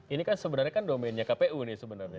ini kan sebenarnya kan domennya kpu ini sebenarnya